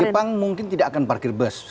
jepang mungkin tidak akan parkir bus